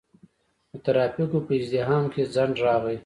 د ترافیکو په ازدحام کې ځنډ راغی.